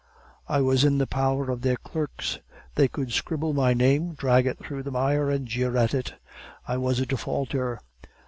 I was in the power of their clerks; they could scribble my name, drag it through the mire, and jeer at it. I was a defaulter.